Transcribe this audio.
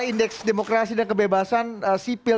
indeks demokrasi dan kebebasan sipil